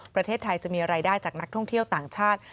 ประเทศไทยจะมีรายได้จากนักท่องเที่ยวต่างชาติ